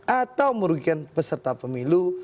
atau merugikan peserta pemilu